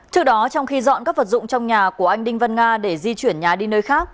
trước đó trong khi dọn các vật dụng trong nhà của anh đinh văn nga để di chuyển nhà đi nơi khác